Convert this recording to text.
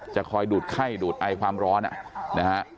คอยดูดไข้ดูดไอความร้อนนะฮะ